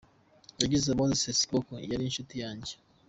Yagize ati “Moses Ssekibogo yari inshuti yanjye.